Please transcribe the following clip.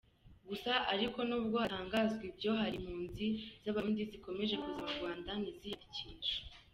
Gusa ariko nubwo hatangazwa ibyo, hari impunzi z’Abarundi zikomeje kuza mu Rwanda ntiziyandikishe.